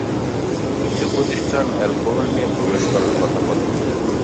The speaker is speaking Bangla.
কিছু প্রতিষ্ঠান অ্যালকোহল নিয়ে প্রবেশ করার কথা বলে।